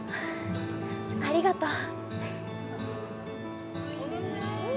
ありがとう。